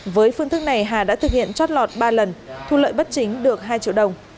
với phương thức này hà đã thực hiện trót lọt ba lần thu lợi bất chính được hai triệu đồng